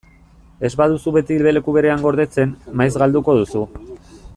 Ez baduzu beti leku berean gordetzen, maiz galduko duzu.